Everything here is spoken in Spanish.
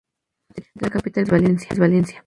La capital provincial es Valencia.